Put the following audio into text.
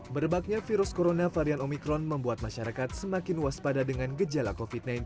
merebaknya virus corona varian omikron membuat masyarakat semakin waspada dengan gejala covid sembilan belas